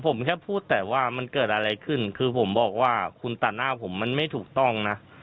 ผมแค่พูดแต่ว่ามันเกิดอะไรขึ้นคือผมบอกว่าคุณตัดหน้าผมมันไม่ถูกต้องนะ